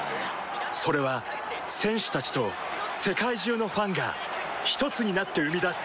それは選手たちと世界中のファンがひとつになって生み出す